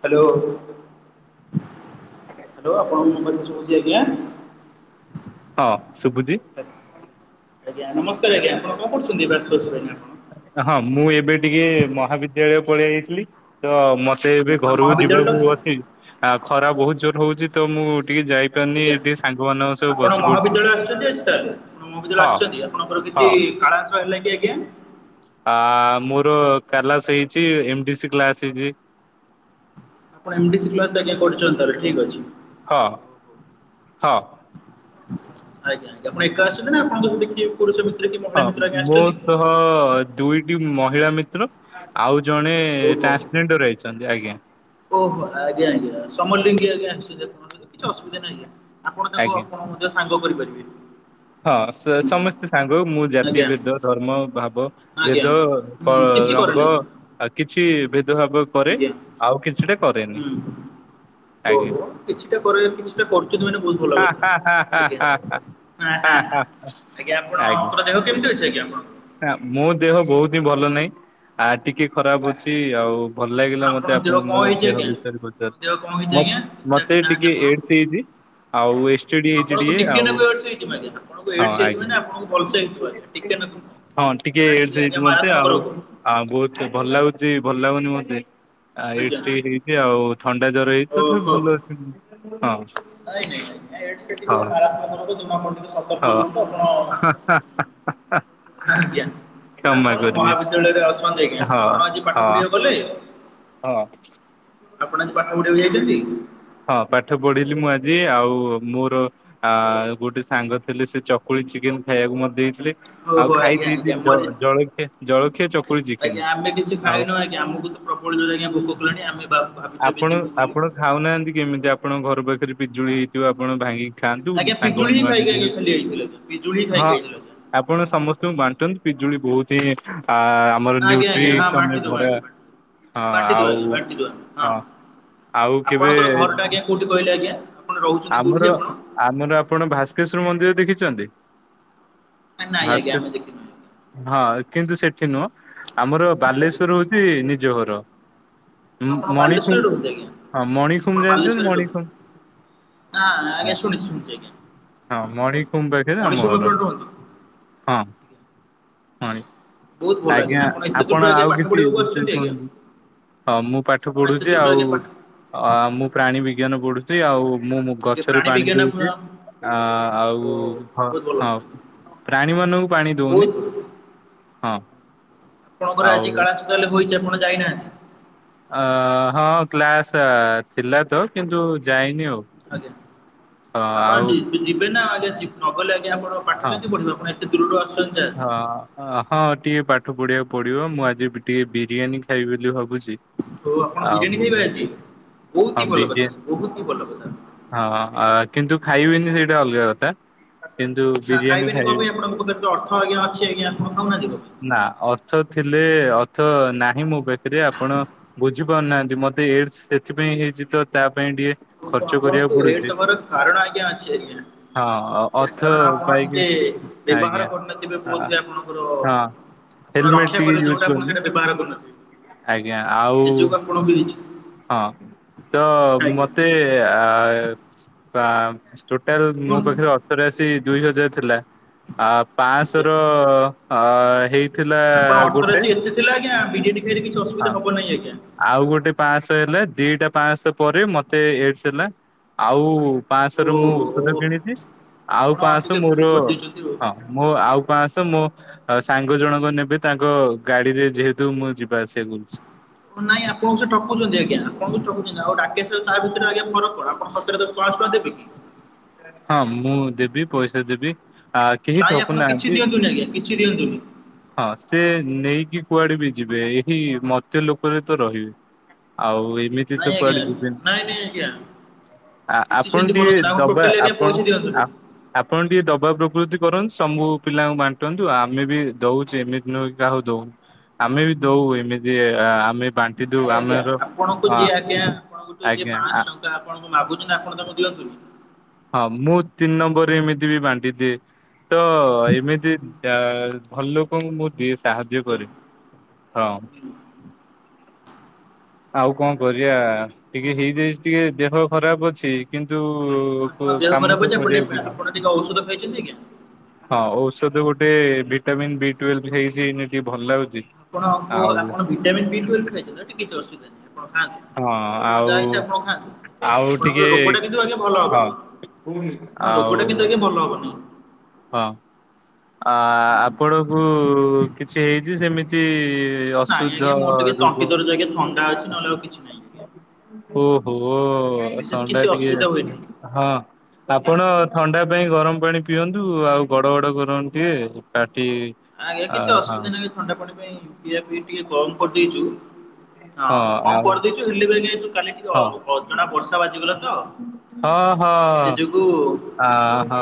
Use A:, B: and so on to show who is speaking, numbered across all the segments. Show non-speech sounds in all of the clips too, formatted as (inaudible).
A: Hello. Hello ଆପଣଙ୍କ ମୋ କଥା ସୁଭୁଛି ଆଜ୍ଞା।
B: ହଁ ଶୁଭୁଚି।
A: ଆଜ୍ଞ ନମସ୍କାର ଆଜ୍ଞା ଆପଣ କଣ କରୁଛନ୍ତି? ବ୍ୟସ୍ତ ଅଛି ଆଜ୍ଞା। ଆପଣ?
B: ହଁ ମୁଁ ଏବେ ଟିକେ ମହାବିଦ୍ୟାଳୟ ପଳେଇ ଯାଇଥିଲି ତ ମତେ ସେ ଏବେ
A: ଆଜ୍ଞା ଆପଣ
B: ଘରକୁ
A: ମହାବିଦ୍ୟାଳୟ
B: ଯିବାକୁ ଅଛି ଆ ଖରା ବହୁତ ଜୋର ହଉଛି ତ ମୁଁ ଟିକେ ଯାଇପାରୁନି
A: ଆଜ୍ଞା
B: ଟିକେ ସାଙ୍ଗମାନଙ୍କ ସହ
A: ଆପଣ
B: ବସି ପଡୁଛି।
A: ମହାବିଦ୍ୟାଳୟ ଆସୁଛନ୍ତି ଆଜି ତାହେଲେ ମହାବିଦ୍ୟାଳୟ
B: ହଁ
A: ଆସୁଛନ୍ତି ଆପଣଙ୍କର କିଛି
B: ହଁ
A: କାଣାସ ହେଲା କି ଆଜ୍ଞା?
B: ତ କାଲାସ ହେଇଛି ଏମ ଡି ସି କ୍ଲାସ ହେଇଛି।
A: ଆପଣ ଏମ ଡି ସି କ୍ଲାସ ଆଜ୍ଞା କରୁଛନ୍ତି ତାହଲେ ଠିକ ଅଛି।
B: ହଁ ହଁ।
A: ଆଜ୍ଞା ଆଜ୍ଞା ଆପଣ ଏକା ଆସିଛନ୍ତି ନା ଆପଣଙ୍କ ସହିତ କିଏ କରୁଛନ୍ତି?
B: ହଁ ମୋ ସହ ଦୁଇଟି ମହିଳା ମିତ୍ର ଆଉ ଜଣେ
A: ଓହୋ
B: ଟ୍ରାନ୍ସଜେଣ୍ଡର ଆଇଛନ୍ତି ଆଜ୍ଞା।
A: ଓହୋ ଆଜ୍ଞା ଆଜ୍ଞା ସମଲିଙ୍ଗୀ ଆଜ୍ଞା ଆସି କିଛି ଅସୁବିଧା ନାହିଁ ଆପଣ ତାଙ୍କୁ
B: ଆଜ୍ଞା।
A: ଆପଣ ମଧ୍ୟ ସାଙ୍ଗ କରିପାରିବେ।
B: ହଁ ସେ
A: ହୁଁ
B: ସମସ୍ତେ ସାଙ୍ଗ ମୁଁ
A: ଆଜ୍ଞା।
B: ଜାତିଭେଦ ଧର୍ମ ଭାବ
A: ଆଜ୍ଞା
B: ଭେଦ ଅ
A: ହୁଁ କିଛି କରେ
B: ରଙ୍ଗ
A: ନାହିଁ
B: ଆ କିଛି ଭେଦଭାବ କରେ
A: ଆଜ୍ଞା
B: ଆଉ କିଛି
A: ହୁଁ। ଓ ହୋ କିଛିଟା କରେ କିଛିଟା କରୁଛନ୍ତି ମାନେ ବହୁତ ଭଲ
B: ହା
A: କଥା
B: ହା ହା ହା
A: ଆଜ୍ଞା।
B: ହା
A: ହଁ
B: ହା ହା
A: ହଁ
B: ହା
A: ହଁ ଆଜ୍ଞା ଆପଣଙ୍କର ଦେହ କେମିତି ଅଛି? ଆଜ୍ଞା ଆପଣ,
B: ନା ମୋ ଦେହ ବହୁତ ଭଲ ନାହିଁ ଆ ଟିକେ ଖରାପ ଅଛି ଆଉ। ଭଲ ଲାଗିଲା ମତେ
A: ଆପଣଙ୍କ ଦେହ
B: ଆପଣ
A: କଣ
B: ମୋ
A: ହେଇଛି
B: ଦେହ
A: ଆଜ୍ଞା
B: ବିଷୟରେ ପଚାରୁ
A: ଆପଣଙ୍କ ଦେହ କଣ ହେଇଛି
B: ମ
A: ଆଜ୍ଞା? ଠିକଠାକ
B: ମତେ
A: ହେଇନାହାନ୍ତି
B: ଟିକେ
A: ଆପଣ?
B: ଏଡେସ ହେଇଚି। ଆଉ ଏଷ୍ଟିଡି
A: ଆପଣଙ୍କୁ
B: ଏଚେଡିଏ
A: ଟିକେ
B: ଆଉ
A: ନାକୁ ଏଡସ୍ ହେଇଛି ମାନେ ଆପଣଙ୍କୁ
B: ହଁ
A: ଏଡସ୍ ହେଇଛି
B: ଆଜ୍ଞା।
A: ମାନେ ଆପଣଙ୍କୁ ଭଲସେ ହେଇଥିବ (unintelligible)
B: ହଁ ଟିକେ
A: ଏଟା
B: ଏ ସେ
A: ଆଜ୍ଞା
B: ମତେ
A: ମାରାତ୍ମକ
B: ଆଉ
A: ରୋଗ
B: ଆଉ ବହୁତ ଭଲ ଲାଗୁଛି ଭଲ ଲାଗୁନି ମତେ। ଆ
A: ଆଜ୍ଞା
B: ଏଡ଼ସେ ଆଉ ଥଣ୍ଡା ଜର ହେଇଛି ତଥାପି
A: ଓହୋ।
B: ଭଲ ଛି ହଁ।
A: ନାଇଁ ନାଇଁ ଆଜ୍ଞା ଏଡସେ ଟିକେ
B: ହଁ
A: ମାରାତ୍ମକ ରୋଗ ଜମା ଆପଣ ଟିକେ ସତର୍କ
B: ହଁ
A: ରୁହନ୍ତୁ। ଆପଣ
B: (unintelligible)
A: ହଁ ଆଜ୍ଞା
B: କ୍ଷମା
A: ଆପଣଙ୍କ
B: କରିବେ
A: ମହାବିଦ୍ୟାଳୟରେ ଅଛନ୍ତି ଆଜ୍ଞା
B: ହଁ
A: ଆପଣ ଆଜି
B: ହଁ
A: ପାଠ ପଢିବାକୁ ଗଲେ?
B: ହଁ।
A: ଆପଣ ଆଜି ପାଠ ପଢିିବାକୁ ଯାଇଛନ୍ତି?
B: ହଁ ପାଠ ପଢିଲି ମୁଁ ଆଜି ଆଉ ମୋର ଆ ଗୋଟେ ସାଙ୍ଗ ଥିଲ ସେ ଚକୁଳି ଚିକେନ ଖାଇବାକୁ ମତେ ଦେଇଥିଲେ।
A: ଓହୋ
B: ଆଉ ଖାଇ
A: ଆଜ୍ଞା
B: ଦି
A: ଆଜ୍ଞା
B: ଦି
A: ମୋର
B: ଜଳଖିଆ ଜଳଖିଆ ଚକୁଳି
A: ଆଜ୍ଞା ଆମେ କିଛି
B: ଚିକେନ ଆଉ
A: ଖାଇନୁ ଆଜ୍ଞା ଆମକୁ ତ ପ୍ରବଳ ଜୋରେ ଆଜ୍ଞା ଭୋକ କଲାଣି ଆମେ ଭା ଭାବିଛୁ ଏବେ
B: ଆପଣ
A: ଯିବୁ ବୋଲି।
B: ଆପଣ ଖାଉନାହାନ୍ତି କେମିତି ଆଉ ଆପଣ ଘର ପାଖରେ ପିଜୁଳି ହେଇଥିବ ଆପଣ ଭାଙ୍ଗି ଖାଆନ୍ତୁ,
A: ଆଜ୍ଞା ପିଜୁଳି ହିଁ
B: ସାଙ୍ଗମାନେ ଆଡେ
A: ଖାଇକି ଆଜ୍ଞା
B: ଯଆ
A: ଖାଲି ଆଇଥିଲୁ ଆଜ୍ଞା ପିଜୁଳି ହିଁ ଖାଇକି
B: ହଁ।
A: ଆଇଥିଲୁ ଆଜ୍ଞା।
B: ଆପଣ ସମସ୍ତଙ୍କୁ ବାଣ୍ଟନ୍ତି ପିଜୁଳି ବହୁତ ହିଁ ଆ ଆମର
A: ଆଜ୍ଞା
B: ନ୍ୟୁଉଟି
A: ଆଜ୍ଞା ହଁ
B: ତମେ
A: ବାଣ୍ଟି ଦବୁ
B: ଭରା
A: ଆଜ୍ଞା
B: ହଁ
A: ବାଣ୍ଟି ଦବୁ ଆଜ୍ଞା
B: ଆଉ
A: ବାଣ୍ଟି ଦବୁ ଆମେ
B: ହଁ। ଆଉ କେବେ?
A: (unintelligible) ଆଜ୍ଞା କୋଉଠି କହିଲ ଆଜ୍ଞା? ଆପଣ ରହୁଛନ୍ତି କୋଉଠି
B: ଆମର
A: ଆପଣ?
B: ଆମର ଆପଣ ଭାସ୍କେଶ୍ଵର ମନ୍ଦିର ଦେଖିଚନ୍ତି?
A: ନାଇଁ ଆଜ୍ଞା
B: ଭାସ୍କେ
A: ଆମେ ଦେଖିନୁ ଆଜ୍ଞା।
B: ହଁ। କିନ୍ତୁ ସେଠି ନୁହଁ ଆମର
A: ଆଜ୍ଞା।
B: ବାଲେଶ୍ଵର ହଉଚି ନିଜ ଘର। ଉଁ
A: ଆପଣ
B: ମଣିଖୁମ
A: ବାଲେଶ୍ୱରରେ ରୁହନ୍ତି ଆଜ୍ଞା
B: ହଁ ମଣିଖୁମ ଜାଣିଚନ୍ତି ମଣିଖୁମ?
A: ନାଁ ଆଜ୍ଞା ଶୁଣିଚି ଶୁଣିଚି ଆଜ୍ଞା।
B: ହଁ ମଣିଖୁମ୍ ପାଖରେ
A: ମଣିଷ
B: ଆମ ଘର
A: ଉପରେ ରୁହନ୍ତୁ।
B: ହଁ। ମଣି
A: ବହୁତ ଭଲ
B: ଆଜ୍ଞା
A: ଏତେ ଦୂରରୁ
B: ଆପଣ
A: ଆଜ୍ଞା
B: ଆଉ
A: ପାଠ
B: କିଛି
A: ପଢିବାକୁ
B: ବିଷୟରେ
A: ଆସୁଛନ୍ତି ଆଜ୍ଞା
B: କୁହନ୍ତୁ। ହଁ ମୁଁ ପାଠ
A: ଆପଣ ଏତେ
B: ପଢୁଚି
A: ଦୂରରୁ
B: ଆଉ।
A: ଆଜ୍ଞା ପାଠ
B: ଅ ଆଉ ମୁଁ ପ୍ରାଣୀ ବିଜ୍ଞାନ ପଢୁଚି ଆଉ। ମୁଁ-ମୁଁ
A: ଆଜ୍ଞା
B: ଗଛରେ
A: ପ୍ରାଣୀ
B: ପାଣି
A: ବିଜ୍ଞାନ ଆପଣ
B: ଦଉଚି। ଆ
A: ଓ
B: ଆଉ ହ
A: ବହୁତ ଭଲ
B: ହଁ ପ୍ରାଣୀ ମାନଙ୍କୁ ପାଣି ଦଉନି।
A: (unintelligible)
B: ହଁ।
A: ଆପଣଙ୍କର
B: ଆଉ
A: ଆଜି କ୍ଲାଚସ୍ ହେଲେ ହୋଇଛି ଆପଣ ଯାଇନାହାଁନ୍ତି?
B: ଅ ହଁ କ୍ଲାସ ଥିଲା ତ କିନ୍ତୁ ଯାଇନି ଆଉ।
A: ଆଜ୍ଞା
B: ହଁ
A: ଆପଣ
B: ଆଉ
A: ଯି-ଯିବେ ନା ଆଉ ଆଜ୍ଞା ନ ଗଲେ ଆଜ୍ଞା ଆଉ ଆପଣ ପାଠ
B: ହଁ
A: କେମିତି ପଢିବେ। ପୁଣି ଏ ଦୃଢ଼ ସୁ
B: ହଁ ଅଁ ହ ଟିକ୍ ପାଠ ପାଠ ପଢିବାକୁ ପଡିବ ମୁଁ ଆଜି ଟିକେ ବିରିୟାନୀ ଖାଇବି ବେଲି ଭାବୁଚି।
A: ତୋ ଆପଣ ବିରିୟାନୀ ଖାଇବେ ଆଜି? ବହୁତ ହି
B: ହଁ
A: ଭଲ କଥା ଆଜ୍ଞା ବହୁତ ହି ଭଲ କଥା।
B: ବିରିୟାନୀ ହଁ ଅଁ କିନ୍ତୁ ଖାଇବିିନି। ହେ ସେଇଟା ଅଲଗା କଥା କିନ୍ତୁ
A: ହଁ
B: ବିରିୟାନୀ
A: ଖାଇବେନି କଣ ପାଇଁ
B: ଖାଇବି।
A: ଆପଣଙ୍କ ପାଖରେ ତ ଅର୍ଥ ଆଜ୍ଞା ଅଛି ଆଜ୍ଞା ଆପଣ ଖାଉନାହାନ୍ତି କଣ ପାଇଁ?
B: ନା ଅର୍ଥ ଥିଲେ ଅ ଅର୍ଥ ନାହିଁ ମୋ ପାଖରେ ଆପଣ ବୁଝୁ ବୁଝ ପାରୁନାହାଁନ୍ତି ମତେ ଏଡସ୍ ସେଥିପାଇଁ ହେଇଚି ତ ତା ପାଇଁ ଟିକେ
A: (unintelligible)
B: ଖର୍ଚ୍ଚ
A: ଆପଣଙ୍କୁ
B: କରିବାକୁ
A: ଏଡ଼ସ୍
B: ପଡୁଛି।
A: ହବାର କାରଣ ଆଜ୍ଞା ଅଛି ଆଜ୍ଞା।
B: ହଁ
A: ଏ
B: ଅର୍ଥ
A: କାରଣ ଆପଣ
B: ପାଇକି
A: ଟିକେ ବ୍ୟବହାର
B: ଆଜ୍ଞା
A: କରୁ ନା ତି। ଏବେ ବୋଧ
B: ହଁ
A: ହୁଏ ଆପଣଙ୍କର ଆପଣ
B: ହେଲମେଟ
A: ରକ୍ଷା
B: ଟିକେ
A: କରିବ
B: ୟୁଜ
A: ଯୋଉଟା ଆପଣ
B: କରୁନି
A: ସେଇଟା ବ୍ୟବହାର କରୁନଥିବେ।
B: ଆଜ୍ଞା ଆଉ
A: ସେ ଯୋଗୁଁ ଆପଣ ବି
B: ହଁ ତ
A: ଆଜ୍ଞା
B: ମୋତେ ଆ ବା ଟୋଟାଲ୍ ମୋ
A: କୁହନ୍ତୁ
B: ପାଖରେ ଅର୍ଥରାଶୀ ଦୁଇହଜାର ଥିଲା ଆ
A: ଆଜ୍ଞା।
B: ପାଆଁଶର ଅ ହେଇ
A: ଆପଣ ଅର୍ଥରାଶି ଏତେ ଥିଲା ଆଜ୍ଞା। ବିରିୟାନୀ ଖାଇଲେ କିଛି
B: ହଁ
A: ଅସୁବିଧା ହବ ନାହିଁ ଆଜ୍ଞା।
B: ଆଉ ଗୋଟେ ପାଁଆଁଶ ହେଲେ ଦିଟା ପାଁଆଁଶ ପରେ ମତେ ଏଡସ୍ ହେଲା ଆଉ। ପାଁଆଁଶରୁ ମୁଁ
A: ଓହୋ
B: ଔଷଧ କିଣିଚି। ଆଉ
A: ଆପଣ
B: ପାଁଆଁଶ
A: ଟିକେ ଭୁଲ
B: ମୋର
A: କରିଦେଇଛନ୍ତି ଆଉ।
B: ହଁ ମୋ ଆଉ ପାଁଆଁଶ ମୋ ଆ ସାଙ୍ଗ ଜଣଙ୍କ ନେବେ ତାଙ୍କ ଗାଡିରେ ଯେହେତୁ ମୁଁ ଯିବା ଆସିବା କରୁଚି।
A: ଓ ନାଇଁ ଆପଣଙ୍କୁ ସେ ଠକୁଚନ୍ତି ଆଜ୍ଞା। ଆପଣଙ୍କୁ ଠକୁଚନ୍ତି ଆଉ ରାକେଶ ତା ଭିତରେ ଫରକ କଣ। ଆପଣ ସତରେ ତାକୁ ପାଁଆଁଶ ଦେବ ଉଁ ହୁଁ
B: ହଁ ମୁଁ ଦେବି ପଇସା ଦେବି। ହାଁ କେହି
A: କାଇଁ
B: ଠକୁ
A: ଆପଣ କିଛି
B: ନାହାଁନ୍ତି
A: ଦିଅନ୍ତୁନି ଆଜ୍ଞା କିଛି ଦିଅନ୍ତୁନି।
B: ହଁ ସେ ନେଇକି କୁଆଡେ ବି ଯିବେ ଏହି ମର୍ତ୍ତ୍ୟ ଲୋକରେ ତ ରହିବେ। ଆଉ ଏ ନେଇକି
A: ନାଇଁ
B: ତ
A: ଆଜ୍ଞା
B: କୁଆଡେ ଯିବେନି।
A: ନାଇଁ ନାଇଁ ଆଜ୍ଞା କିଛି
B: ଆ-ଆପଣ
A: ସେମିତି
B: ଟିକେ
A: କରନ୍ତୁନି ଆପଣ
B: ଦବା
A: ଟୋଟାଲି ଆଜ୍ଞା
B: ଆପଣ
A: ପଇସା ଦିଅନ୍ତୁନି।
B: ଆପ ଆପଣ ଟିକେ ଦେବା ପ୍ରକୃତି କରନ୍ତୁ। ସମ୍ବୁ ପିଲାଙ୍କୁ ବାଣ୍ଟନ୍ତୁ ଆମେ ବି ଦଉଚୁ ଏମିତି ନୁହଁକି କାହାକୁ ଦଉନୁ। ଆମେ ବି ଦଉ ଏମିତି ଆ-ଆ-ଆମେ
A: ନାଁଇ ଆଜ୍ଞା ଆପଣଙ୍କୁ ଯିଏ ଆଜ୍ଞା ଆପଣଙ୍କ ଠୁ ଯିଏ
B: ଆଜ୍ଞା
A: ପାଁଆଁଶ
B: ଆ-
A: ଟଙ୍କା ଆପଣଙ୍କୁ ମାଗୁଚି ନା ଆପଣ ତାଙ୍କୁ ଦିଅନ୍ତୁ ନି।
B: ସେଦିଏ ତ ଏମିତି ଆ ଭଲ ଲୋକଙ୍କୁ ମୁଁ ଦିଏ। ମୁଁ ସାହାଯ୍ୟ
A: ଆଜ୍ଞା
B: କରେ ହଁ।
A: ହୁଁ।
B: ଆଉ କଣ କରିବା ଟିକେ ହେଇଯାଇଛି ଟିକେ ଦେହ ଖରାପ କିନ୍ତୁ ହୁଁ
A: ଆପଣ
B: ହୁ
A: ଦେହ
B: କାମ
A: ଖରାପ
B: ତ
A: ଅଛି ଆପଣ
B: କରିବାକୁ
A: ଟିକେ
B: ପଡିବ
A: ଆପଣ ଟିକେ ଔଷଧ ଖାଇଛନ୍ତି ଆଜ୍ଞା?
B: ହଁ ଉ ଔଷଧ ଗୋଟେ ଭିଟାମିନ୍ ବି ଟୁୱେଲଭ ହେଇଛି ଏମିତି ଭଲ ଲାଗୁ
A: ଆପଣଙ୍କୁ ଆପଣ ଭିଟାମିନ୍ ବି ଟୁୱେଲଭ ଖାଇଛନ୍ତି ଏ କିଛି ଅସୁବିଧା ନାହିଁ। ଆପଣ ଖାଆନ୍ତୁ ଯା
B: ଆଉ
A: ଇଛା ଆପଣ ଖାଆନ୍ତୁ
B: ଆଉ ଟିକେ
A: ଆପଣଙ୍କର ରୋଗଟା କିନ୍ତୁ ଆଜ୍ଞା ଭଲ
B: ହଁ
A: ହବନି। ତମ ରୋଗଟା କିନ୍ତୁ
B: ଆଉ
A: ଆଜ୍ଞା ଭଲ ହବନି।
B: ହଁ ଆ
A: ହୁଁ।
B: ଆପଣଙ୍କୁ କିଛି ହେଇଚି ସେମିତି ଇ ଏ
A: ନାଇଁ
B: ଅଶୁଧ
A: ଆଜ୍ଞା ମୋର ଟିକେ ତଣ୍ଟି
B: ରୋଗ
A: ଦରଜ ଆଜ୍ଞା ଥଣ୍ଡା ଅଛି ନହେଲେ ଆଉ କିଛି ନାହିଁ ଆଜ୍ଞା।
B: କୁ ଓଃ
A: ବିଶେଷ
B: ଥଣ୍ଡା
A: କିଛି ଅସୁବିଧା
B: ଟିକେ
A: ହୁଏନି।
B: ହଁ
A: ଆଜ୍ଞା
B: ଆପଣ ଥଣ୍ଡା ପାଣି ଗରମ ପାଣି ପିଅନ୍ତୁ ଆଉ ଗଡ଼ଗଡ଼ କରନ୍ତୁ ଟିକେ କାଟ
A: ଆଜ୍ଞା କିଛି ଅସୁବିଧା ନାହିଁ ଥଣ୍ଡାପାଣି ପାଇଁ ପିଆ ପିଇ ଟିକେ କମ କରି ଦେଇଛୁ ହଁ କମ କରିଦେଇଛୁ ହେଲେ ବି ଆଜ୍ଞା ଯଉଁ ଏ
B: ହଁ
A: ଟିକେ ଅଜଣା ବର୍ଷା ବାଜିଗଲା ତ
B: ହଁ ହଁ
A: ସେ ଯୋଗୁ
B: ଆ ହଁ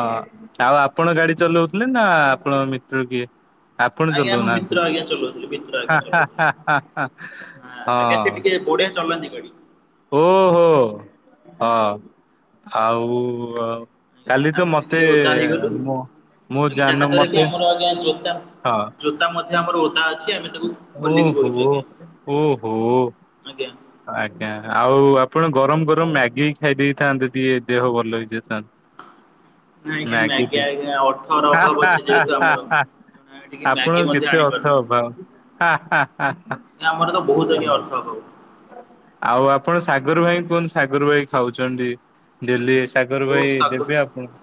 B: ଆଉ ଆପ ଆପଣ ଗାଡି ଚଲଉଥିଲେ ନାଁ ଆପଣ ମିତ୍ର କିଏ? ଆପଣ
A: ଆଜ୍ଞା
B: ଚଲଉ
A: ଆମ ମିତ୍ର
B: ନାହାନ୍ତି
A: ଆଜ୍ଞା ଚଲଉଥିଲେ ମିତ୍ର ଆଜ୍ଞା
B: ହାଁ
A: ଚଲଉଥିଲେ।
B: ହାଁ ହାଁ ହାଁ
A: ଆଜ୍ଞା ସେ
B: ହଁ।
A: ଟିକେ ବଢିଆ ଚଲାନ୍ତି ଗାଡି।
B: ଓ ହୋ ହଁ ହାଉଁ ଓ
A: ଆମେ ଟିକେ ଓଦା ହେଇଗଲୁ
B: ମୁଁ
A: ଆମ
B: ଜାନ
A: ଯାହାଦ୍ୱାରା କି
B: ମତେ
A: ଆମର ଆଜ୍ଞା ଜୋତା
B: ହଁ
A: ଜୋତା ମଧ୍ୟ ଆମର ଓଦା ଅ
B: ଓହୋ ହୁଁ ହୁଁ।
A: ଆଜ୍ଞା।
B: ଆଜ୍ଞା ଆଉ ଆପଣ ଗରମ ଗରମ ମ୍ୟାଗି ଖାଇ ଦେଇଥାନ୍ତେ ଟିକେ ଦେହ ଭଲ ହେଇଯାଇଥା
A: ନାଇଁ
B: ନାଁ
A: ଆଜ୍ଞା ମ୍ୟାଗି
B: ମ୍ୟାଗିକି
A: ଆଜ୍ଞା ଅର୍ଥର
B: ହାଁ
A: ଅଭାବ ଅଛି ଯେହେତୁ
B: ହାଁ
A: ଆମର।
B: ହାଁ ହାଁ।
A: ତେଣୁ ଆମେ ଟିକେ ମ୍ୟାଗି
B: ଆପଣଙ୍କ
A: ମଧ୍ୟ
B: କେତେ
A: ଆଣିପାରୁନୁ
B: ଅର୍ଥ ଅଭାବ ହାଁ ହାଁ ହାଁ।
A: ଆମର ତ ବହୁତ ଆଜ୍ଞା ଅର୍ଥ ଅଭାବ।
B: ଆଉ ଆପଣ ସାଗର ଭାଇ କୁହନ୍ତୁ ସାଗର ଭାଇ ଖାଉଛନ୍ତି ଡେଲି। ସାଗର
A: ଓ
B: ଭାଇ
A: ସାଗୁ
B: ଦେବେ ଆପଣଙ୍କୁ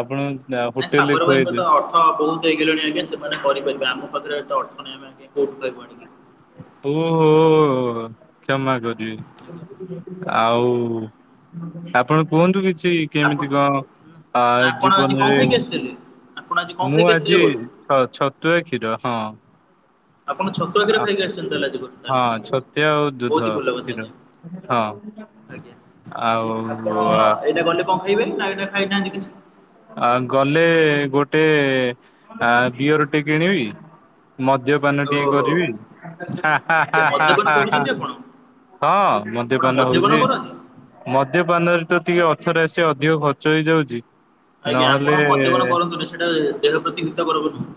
B: ଆପଣ ଯା
A: ନାଇଁ ସାଗର ଭାଇଙ୍କ ତ ଅର୍ଥ ବହୁତ ହେଇଗଲେଣି ଆଜ୍ଞା ସେମାନେ କରିପାରିବେ ଆମ ପାଖରେ ଅର୍ଥ ନାଇଁ ଆମ ଏବେଠୁ ଖାଇବୁ ଆଣିକି।
B: ପୁଂ ହୁଁ। କ୍ଷମା
A: ଆଜ୍ଞା।
B: କରିବି ଆଉ ଆପଣ କୁହନ୍ତୁ କିଛି କିଛି
A: ଆପଣ
B: କେମିତି କଣ ଆ
A: ଆପଣ ଆଜି କଣ
B: ଜୀବନରେ
A: ଖାଇକି ଆସିଥିଲେ? ଆପଣ ଆଜି କଣ
B: ମୁଁ
A: ଖାଇକି ଆସିଥିଲେ
B: ଆଜି
A: ଘରୁ?
B: ଛ-ଛତୁଆ କ୍ଷୀର ହଁ।
A: ଆପଣ ଛତୁଆ କ୍ଷୀର ଖାଇକି ଆସିଛନ୍ତି ତାହାଲେ ଆଜି ଘୋଟଲ
B: ହଁ
A: ଠିକ ଅଛି
B: ଛତୁଆ ଆଉ ଦୁଧ
A: ବହୁତ ହି ଭଲ କଥା
B: କ୍ଷୀର
A: ଆଜ୍ଞ।
B: ହଁ
A: ଆଜ୍ଞା ଆପଣ
B: ଆଉ
A: ଏଇନା ଗଲେ କଣ ଖାଇବେ ନା ଏଇଟା ଖାଇନାହାନ୍ତି କିଛି।
B: ଆ ଗଲେ ଗୋଟେ ଆ ଗିଅରଟେ କିଣିବି। ମଦ୍ୟପାନ ଟିକେ
A: ଓହୋ
B: କରିବି ହାଁ ହାଁ
A: ଆଜ୍ଞା
B: ହାଁ ହାଁ
A: ମଦ୍ୟପାନ
B: ହାଁ ହାଁ।
A: କରୁଛନ୍ତି ଆପଣ
B: ହଁ
A: ଆପଣ
B: ମଦ୍ୟପାନ ହଉଛି
A: କରନ୍ତି?
B: ମଦ୍ୟପାନରେ ତ ଟିକେ ଅର୍ଥରାଶି ଅଧିକ ଖର୍ଚ୍ଚ ହେଇଯାଉଛି।
A: ଆଜ୍ଞା
B: ନହେଲେ
A: ଆପଣ ମଦ୍ୟପାନ କରନ୍ତୁନି ସେଟା ଦେହ ପ୍ରତି ହିତ କରକ ନୁହଁ।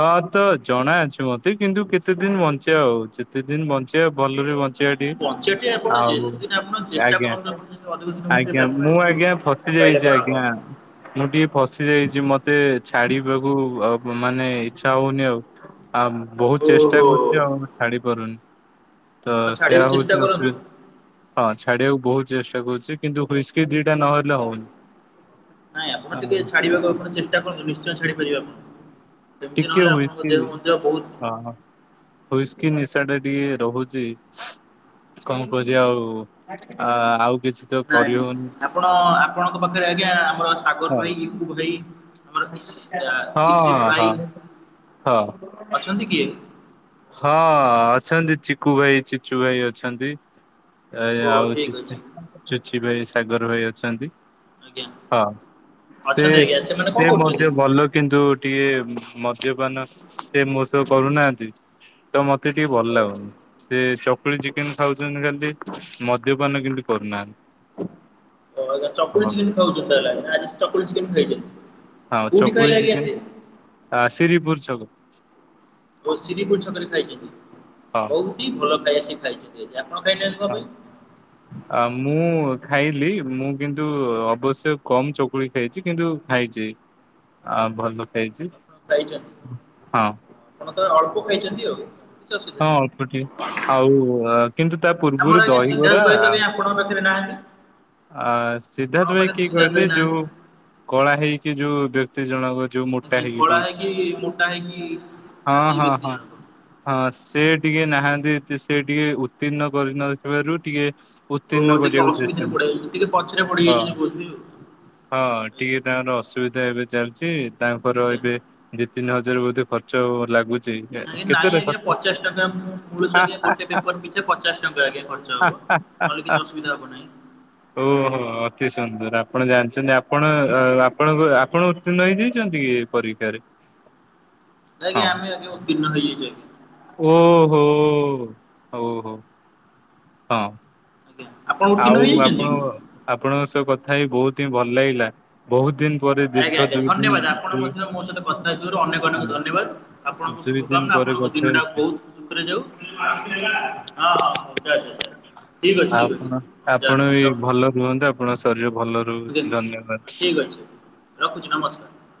B: ହଁ ତ ଜଣା ଅଛି ମତେ କିନ୍ତୁ କେତେ ଦିନ ବଞ୍ଚେବା ଆଉ କେତେ ଦିନ ବଞ୍ଚିବା ଭଲରେ ବଞ୍ଚିବା
A: ଆଜ୍ଞା
B: ଟିକେ
A: ବଞ୍ଚିବାଟି ଆପଣ
B: ଆଉ
A: ଯେତେଦିନ ଆପଣ ଚେଷ୍ଟା
B: ଆଜ୍ଞା
A: କରନ୍ତୁ ଆପଣ ଯଦି ଅଧିକ ଦିନ ବଞ୍ଚେଇବେ
B: ଆଜ୍ଞା
A: ଆପଣ
B: ମୁଁ ଆ
A: ଏମିତି
B: ଆଜ୍ଞା ଫସି
A: କହିଲେ
B: ଯାଇଛି
A: କଣ ହବ
B: ଆଜ୍ଞା ମୁଁ ଟିକେ ଫସି ଯାଇଛି ମତେ ଛାଡିବାକୁ ଆଉ ମାନେ ଇଛା ହଉନି ଆଉ ଆଉ ବହୁତ ଚେଷ୍ଟା
A: ଓହୋ
B: କରୁଛି ଆଉ ଛାଡି ପାରୁନି। ତ
A: ଆପଣ
B: ସେୟା
A: ଛାଡିବାକୁ ଚେଷ୍ଟା
B: ହଉଛି
A: କରନ୍ତୁ।
B: ଅସୁବିଧା ହଁ ଛାଡିବାକୁ ବହୁତ ଚେଷ୍ଟା କରୁଛି କିନ୍ତୁ ହସ୍କି ଦି ରକଲେ
A: ଆଜ୍ଞା
B: ହଉନି।
A: ନାଇଁ ଆପଣ ଟିକେ
B: ହଁ
A: ଛାଡିବାକୁ ଆପଣ ଚେଷ୍ଟା କରନ୍ତୁ ନିଶ୍ଚୟ ଛାଡି ପାରିବେ ଆପଣ। ଏମିତି
B: ଟିକେ
A: ନହେଲେ ଆପଣଙ୍କ
B: ହୁଇସ୍କି
A: ଦେହ ମଧ୍ୟ ବହୁତ
B: ହଁ ହୁଇସ୍କି କି ନିଶା ଟେ ଟିକେ ରହୁଛି କଣ କରିବା ଆଉ କିଛି ତ
A: ନାଇଁ ନାଇଁ
B: କରିହଉନି।
A: ଆପଣ ଆପଣଙ୍କ ପାଖରେ ଆଜ୍ଞା ଆମର ସାଗର ଭାଇ କୁ ଭାଇ ଆମର ଇସି ଆ,
B: ହଁ
A: ଇସିତ
B: ହଁ
A: ଭାଇ
B: ହଁ ହଁ।
A: ଅଛନ୍ତି କିଏ?
B: ହଁ ଆଚ୍ଛା। ଚକୁୁ ଭାଇ ଚିଚୁ ଭାଇ ଅଛନ୍ତି
A: ଓ
B: ଆଉ
A: ଠିକ୍ ଅଛି
B: ଚୁଚି ଭାଇ ସାଗର ହୋଇ ଅଛନ୍ତି।
A: ଆଜ୍ଞା
B: ହଁ ସେ
A: ଅଛନ୍ତି ଆଜ୍ଞା ସେମାନେ।
B: ସେ
A: କଣ କରୁଛନ୍ତି?
B: ମଧ୍ୟ ଭଲ କିନ୍ତୁ ଟିକେ ମଦ୍ୟପାନ ସେ ମୋ ସହବ କରୁନାହାନ୍ତି ତ ମତେ ଟିକେ ଭଲ ଲାଗୁନି। ସେ ଚକୁଳି ଚିକେନ ଖାଉଛନ୍ତି ଖାଲି ମଦ୍ୟପାନ କେମତି କରୁନାହାନ୍ତି।
A: ଓ ଚକୁଲ
B: ହଁ
A: ଚିକେନ ଖାଉଛନ୍ତି ହେ ଆଜି ଚକୁଲ ଚିକେନ ଖାଇଛନ୍ତି।
B: ହଁ
A: କୋଉଠି ଖାଇଲେ
B: ଚକୁଳିି
A: ଆଜ୍ଞା
B: ଚିକେନ
A: ସେ?
B: ଆ ଶିରିପୁର ସୁ
A: ହ ସିରିପୁୁର ଛକରେ ଖାଇଛନ୍ତି
B: ହଁ
A: ବହୁତ ହି ଭଲ ଖାଇ ସେ ଖାଇଛନ୍ତି। ଖାଇନାହାନ୍ତି କଣ
B: ହଁ
A: ପାଇଁ?
B: ଆ ମୁଁ ଖାଇଲି ମୁଁ କିନ୍ତୁ ଅବଶ୍ୟ କମ୍ ଚକୁଳି ଖାଇଛି କିନ୍ତୁ ଖାଇଛି। ଆଁ ଭଲ ଖାଇଛି।
A: ଖାଇଛନ୍ତି
B: ହଁ
A: ଆପଣ ତ ଅଳ୍ପ ଖାଇଛନ୍ତି ଆଉ।
B: ହଁ ଅଳ୍ପ ଟିକେ
A: ଅସବିଧଁ
B: ଆଉ ଅ, କିନ୍ତୁ ତା ପୂର୍ବରୁ
A: ଆମର ଆଜ୍ଞା
B: ଦହିବରା
A: ସିଦ୍ଧାର୍ଥ ଭହି ତ ଆପଣଙ୍କ ପାଖରେ ନାହିଁ। ଆ
B: ଆ ସିଦ୍ଧାର୍ଥ ଭାଇ କିଏ କହିଲେ
A: ଭାଇ
B: ଯୋଉ
A: ନାହାନ୍ତି।
B: କଳା ହେଇକି ଯୋଉ ବ୍ୟକ୍ତି ଜଣକ? ଯୋଉ
A: ସେ
B: ମୋଟା ହେ
A: କଳା
B: ଟ
A: ହେଇକି ମୋଟା ହେଇକି ଆ,
B: ହଁ
A: ସେଇ
B: ହଁ
A: ବ୍ୟକ୍ତି
B: ହଁ
A: ଜଣକ।
B: ହଁ। ସେ ଟିକେ ନାହାନ୍ତି ସେ ଟିକେ ଉତ୍ତୀର୍ଣ୍ଣ କରିନଥିବାରୁ ଟିକେ
A: ଓ
B: ଉତ୍ତୀର୍ଣ୍ଣ
A: ଟିକେ
B: କରିବାକୁ ଚେଷ୍ଟା
A: ଅସୁବିଧାରେ
B: କରୁ-
A: ପଡିଯାଉଛି ଟିକେ ପଛରେ ପଡିଯାଇ ଯି
B: ହଁ
A: ବଝିବି ଆଉ
B: ହଁ
A: ଆଜ୍ଞା।
B: ଟିକେ ତାଙ୍କ ରସ ସୁବିଧା ଏବେ ଚାଲିଛି ତାଙ୍କର
A: ଆଜ୍ଞା।
B: ଏବେ ଦି ତିନି ହଜାର ବୋଧେ ଖର୍ଚ ଲାଗୁଛି। କେତେ ଦଖା।
A: ଳ ଗୋଟେ ପେପର ପିଛା ପଚାଶ ଟଙ୍କା ଆଜ୍ଞା ଖର୍ଚ୍ଚ
B: ହା
A: ହବ
B: ହା
A: ନହେଲେ
B: ହା
A: କିଛି ଅସୁବିଧା ହବ ନାହିଁ।
B: ଓହୋ ଅତି ସୁନ୍ଦର ଆପଣ
A: ଆଜ୍ଞା
B: ଜାଣିଛନ୍ତି ଆପଣ
A: ଆଜ୍ଞା
B: ଆପଣଙ୍କ ଆପଣ ଉତ୍ତୀର୍ଣ ହେଇଯାଇଛନ୍ତି କି ପରୀକ୍ଷାରେ?
A: ନାଇଁ
B: ହଁ
A: ଆଜ୍ଞା ଆମେ ତିନିଟା ହେଇଚୁ ଆମେ।
B: ଓହୋ ହୋଉ ହୋଉ। ହଁ।
A: ଆଜ୍ଞା ଆପଣ ଉତ୍ତୀର୍ଣ୍ଣ
B: ଆଉ
A: ହେଇଯାଇଛନ୍ତି?
B: ଆପଣ ଆପଣଙ୍କ ସହ କଥା ହେଇ ବହୁତ ହିଁ ଭଲ ଲାଗିଲା ବହୁତ ଦିନ ପରେ ଦୀର୍ଘ
A: ଆଜ୍ଞା ଆଜ୍ଞା
B: ଦୁଇ ଦିନ
A: ଧନ୍ୟବାଦ ଆପଣ
B: ଦୁଇ
A: ମଧ୍ୟ ମୋ ସହିତ କଥା ହେଇଥିବାରୁ ଅନେକ ଅନେକ
B: ହଁ
A: ଧନ୍ୟବାଦ ଆପଣଙ୍କୁ
B: ଦୁଇ ଦିନ
A: ଶୁଭକାମନା।
B: ପରେ
A: ଆପଣଙ୍କ
B: କଥା
A: ଦିନ ଟା
B: ହଉଛି
A: ବହୁତ ସୁଖରେ ଯାଉ ହଁ ହଁ ଚାଲ ଚାଲ। ଠିକ୍ ଅଛି ଠିକ୍ ଅଛି।
B: ହଁ
A: ହଉ ଯା
B: ଆପଣ ବି
A: ରଖୁଛି
B: ଭଲ ରୁହନ୍ତୁ ଆପଣଙ୍କ ଶରୀର ଭଲ ରହୁଚି
A: ଆଜ୍ଞା
B: ଧନ୍ୟବାଦ।
A: ଠିକ୍ ଅଛି। ରଖୁଛି ନମସ୍କାର।